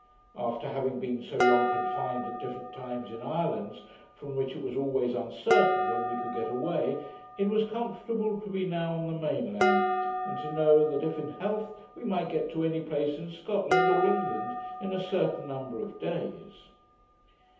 After having been so long confined at different times in islands, from which it was always uncertain when we could get away, it was comfortable to be now on the main land, and to know that, if in health, we might get to any place in Scotland or England in a certain number of days.